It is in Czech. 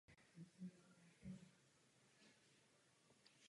V tentýž den byl vysvěcen na katolického kněze.